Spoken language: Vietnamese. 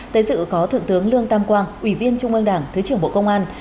tới dự có thượng tướng lương tam quang ủy viên trung ương đảng thứ trưởng bộ công an